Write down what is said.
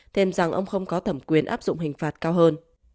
thêm rằng ông không có thẩm quyền áp dụng hình phạt cao hơn